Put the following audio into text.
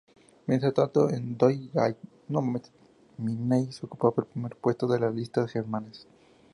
Mientras tanto, "Don't Give Me Names" ocupaba el primer puesto de las listas germanas.